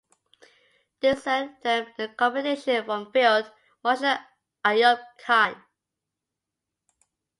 This earned them a commendation from Field Marshal Ayub Khan.